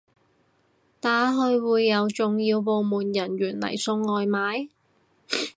打去會有重要部門人員嚟送外賣？